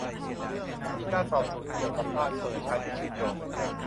มีการสอบสวนเกี่ยวกับบ้านของผู้ชายที่ชื่อโจ